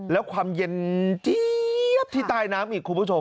แล้วความเย็นที่ตายน้ำอีกคุณผู้ชม